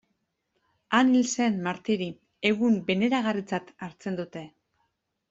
Han hil zen martiri, egun beneragarritzat hartzen dute.